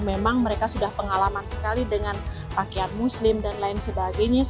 memang mereka sudah pengalaman sekali dengan pakaian muslim dan lain sebagainya